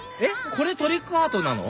これトリックアートなの？